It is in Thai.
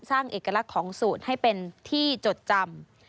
สร้างเอกลักษณ์ของสูตรให้เป็นที่จดจำ